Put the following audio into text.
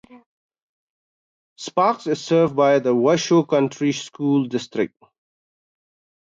Sparks is served by the Washoe County School District.